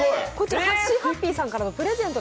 はっぴーさんからのプレゼント。